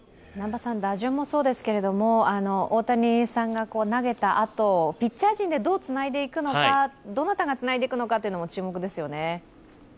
打順もそうですけど、大谷さんが投げたあと、ピッチャー陣でどなたがつないでいくのかも注目ですよね。